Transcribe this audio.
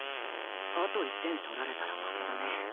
あと１点取られたら負けだね。